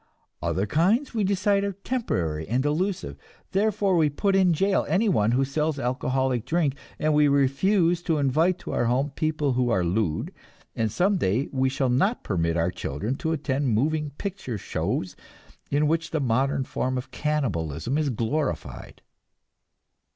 Other kinds we decide are temporary and delusive; therefore we put in jail anyone who sells alcoholic drink, and we refuse to invite to our home people who are lewd, and some day we shall not permit our children to attend moving picture shows in which the modern form of cannibalism is glorified.